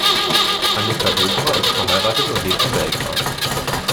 Anica Dobra ist verheiratet und lebt in Belgrad.